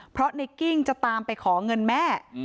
เพราะในกิ้งจะตามไปขอเงินแม่